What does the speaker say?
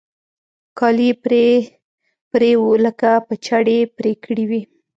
كالي يې پرې پرې وو لکه په چړې پرې كړي وي.